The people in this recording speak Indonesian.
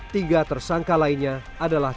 tiga tersangka lainnya adalah